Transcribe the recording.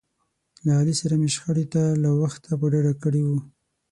له علي سره مې شخړې ته له وخته په ډډه کړي و.